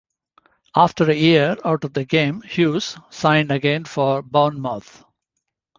After a year out of the game, Hughes signed again for Bournemouth.